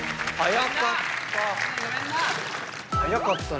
速かったね。